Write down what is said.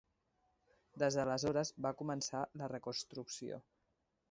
Des d'aleshores va començar la reconstrucció.